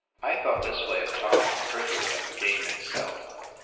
I thought this way of talking prettier than the game itself.